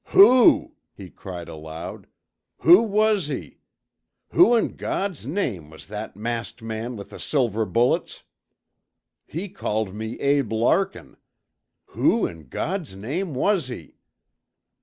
"Who," he cried aloud, "who was he? Who in God's name was that masked man with the silver bullets? He called me Abe Larkin. Who in God's name was he?"